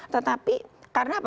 tetapi karena apa